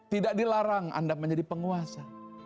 tidak dilarang anda menjadi penguasa